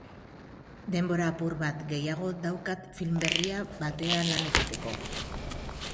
Denbora apur bat gehiago daukat film berri batean lan egiteko.